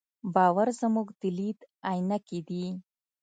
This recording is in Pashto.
باور زموږ د لید عینکې دي.